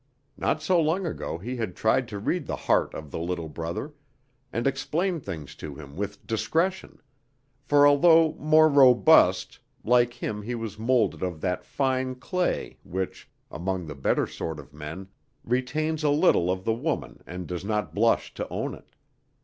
Not so long ago he had tried to read the heart of the little brother, and explain things to him with discretion; for, although more robust, like him he was molded of that fine clay which, among the better sort of men, retains a little of the woman and does not blush to own it.